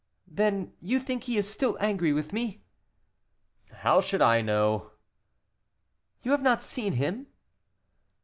"Then you think he is still angry with me?" "How should I know?" "You have not seen him?"